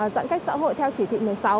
giãn cách xã hội theo chỉ thị một mươi sáu